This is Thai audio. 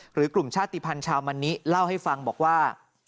กลุ่มชาติภัณฑ์ชาวมันนิเล่าให้ฟังบอกว่า